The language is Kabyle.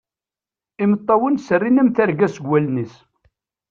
Imeṭṭawen serrin am terga seg wallen-is.